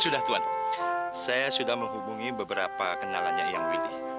sudah tuhan saya sudah menghubungi beberapa kenalannya yang milih